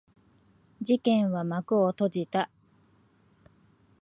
事件は幕を閉じた。